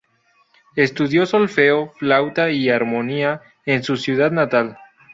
Estudió solfeo, flauta y armonía en su ciudad natal.